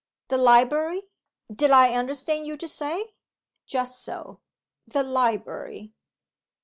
The library did I understand you to say? Just so the library."